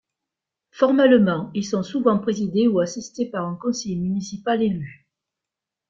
Formellement, ils sont souvent présidés ou assistés par un conseiller municipal élu.